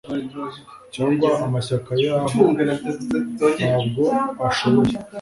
cyangwa amashyaka yahoo ntabwo ashoboye